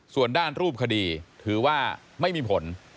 ส่วนด้านรูปคดีถือว่าไม่มีผล